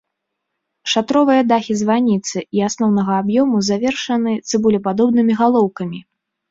Шатровыя дахі званіцы і асноўнага аб'ёму завершаны цыбулепадобнымі галоўкамі.